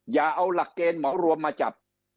อย่าเอาหลักเกณฑ์เหมาะรวมมาจับ